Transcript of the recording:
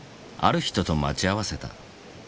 ある人と待ち合わせた。